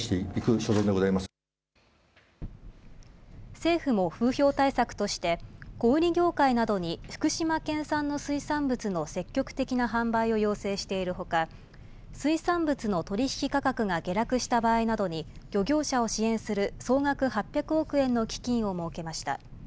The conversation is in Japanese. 政府も風評対策として、小売り業界などに福島県産の水産物の積極的な販売を要請しているほか、水産物の取り引き価格が下落した場合などに、漁業者を支援する総額８００億円の基金を設けました。